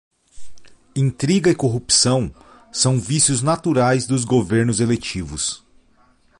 Intriga e corrupção são vícios naturais dos governos eletivos.